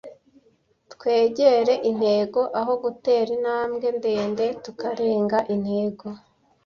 twegera intego aho gutera intambwe ndende tukarenga intego